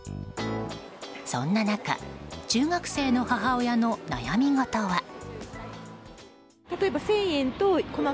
そんな中中学生の母親の悩み事は。